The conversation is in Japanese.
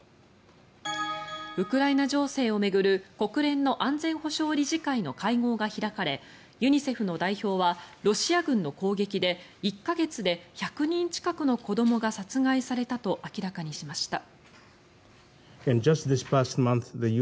ウクライナ情勢を巡る国連の安全保障理事会の会合が開かれユニセフの代表はロシア軍の攻撃で１か月で１００人近くの子どもが殺害されたと明らかにしました。